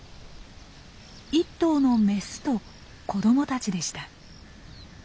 １頭のメスと子どもたちでした。